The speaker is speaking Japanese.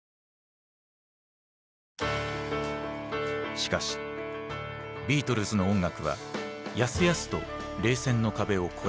しかしビートルズの音楽はやすやすと冷戦の壁を超えた。